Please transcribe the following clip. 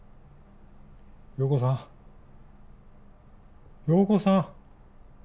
陽子さん陽子さん！